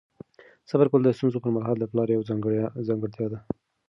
صبر کول د ستونزو پر مهال د پلار یوه ځانګړتیا ده.